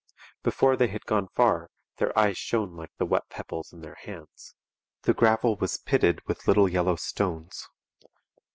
Before they had gone far their eyes shone like the wet pebbles in their hands. The gravel was pitted with little yellow stones.